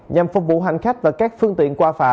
nhằm phục vụ hành khách và các phương tiện qua phà